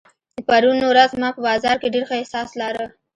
پرون ورځ ما په بازار کې ډېر ښه احساس لارۀ.